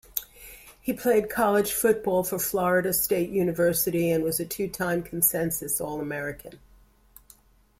He played college football for Florida State University, and was a two-time consensus All-American.